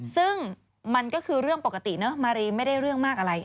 ซึ่งมันก็คือเรื่องปกติเนอะมารีไม่ได้เรื่องมากอะไร